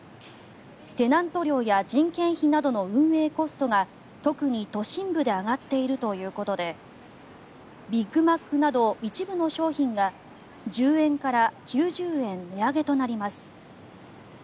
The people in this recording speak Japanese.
テナント料や人件費などの運営コストが特に都心部で上がっているということでビッグマックなど一部の商品が１０円から９０円値上げとなります。